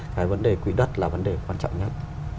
cái vấn đề quỹ đất là vấn đề quan trọng nhất